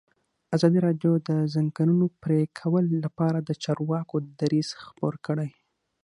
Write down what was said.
ازادي راډیو د د ځنګلونو پرېکول لپاره د چارواکو دریځ خپور کړی.